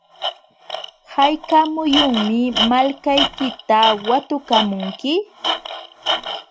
¿hayka muyunmi malkaykita watukamunki?